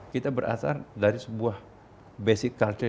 kita berasal dari sebuah basic culture